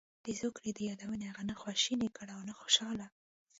د زوکړې دې یادونې هغه نه خواشینی کړ او نه خوشاله.